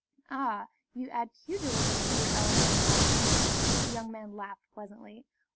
"Ah, you add pugilism to your elegant accomplishments?" The young man laughed pleasantly.